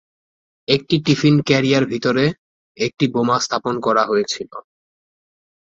একটি tiffin carrier ভিতরে একটি বোমা স্থাপন করা হয়েছিল।